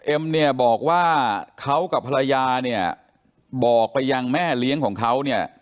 เอ็มเนี่ยบอกว่าเขากับภรรยาเนี่ยบอกไปยังแม่เลี้ยงของเขาเนี่ย